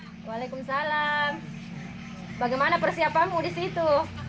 waalaikumsalam bagaimana persiapamu disitu